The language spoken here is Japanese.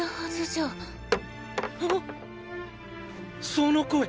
その声！